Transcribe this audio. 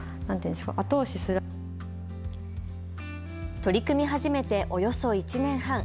取り組み始めておよそ１年半。